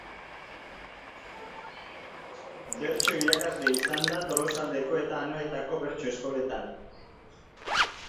Bertso-irakasle izan da Tolosaldeko eta Anoetako bertso-eskoletan.